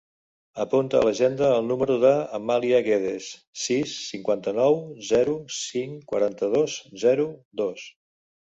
Apunta a l'agenda el número de l'Amàlia Guedes: sis, cinquanta-nou, zero, cinc, quaranta-dos, zero, dos.